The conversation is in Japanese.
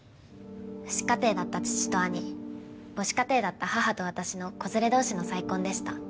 父子家庭だった義父と義兄母子家庭だった母と私の子連れ同士の再婚でした。